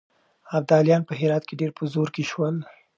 ابدالیان په هرات کې ډېر په زور کې شول.